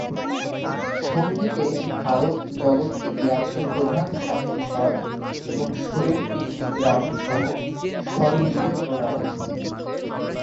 সঙ্গীতে ভারত জগৎকে দিয়াছে প্রধান সাতটি স্বর এবং সুরের তিনটি গ্রাম সহ স্বরলিপি-প্রণালী।